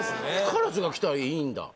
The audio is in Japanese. カラスが来たらいいんだ？